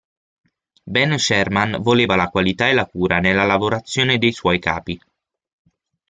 Ben Sherman voleva la qualità e la cura nella lavorazione dei suoi capi.